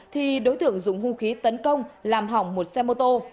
thì đối tượng dùng hung khí tấn công làm hỏng một xe mô tô